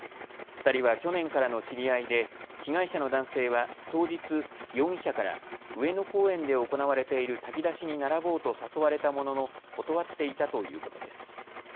２人は去年からの知り合いで被害者の男性は当日、容疑者から上野公園で行われている炊き出しに並ぼうと誘われたものの断っていたということです。